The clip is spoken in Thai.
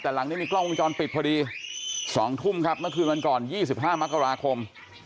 แต่หลังนี้มีกล้องวงจรปิดพอดี๒ทุ่มครับเมื่อคืนวันก่อน๒๕มกราคม